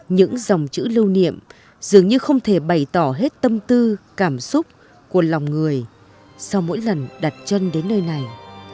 những dòng chữ lưu niệm dường như không thể bày tỏ hết tâm tư cảm xúc của lòng người sau mỗi lần đặt chân đến nơi này